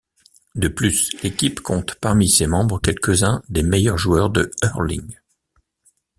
De plus, l'équipe compte parmi ses membres quelques-uns des meilleurs joueurs de hurling.